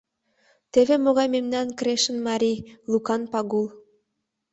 — Теве могай мемнан Крешын марий — Лукан Пагул...